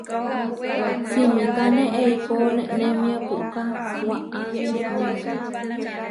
Simikáne eikó nenémia puʼká waʼá nenémia.